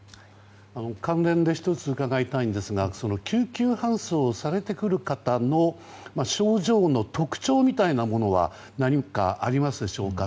関連で１つ伺いたいんですが救急搬送されてくる方の症状の特徴みたいなものは何かありますでしょうか？